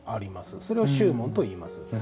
それを宗紋といいます。